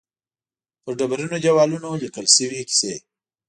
پر ډبرینو دېوالونو لیکل شوې کیسې.